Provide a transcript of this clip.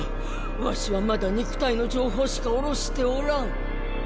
わしはまだ肉体の情報しか降ろしておらん。